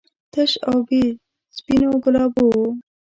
تش او بې سپینو ګلابو و.